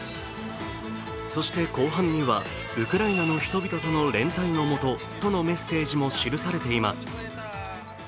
そして後半には、ウクライナの人々との連帯のもととのメッセージも記されています。